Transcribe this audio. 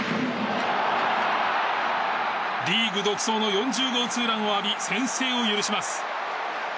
リーグ独走の４０号ツーランを浴び先制を許します。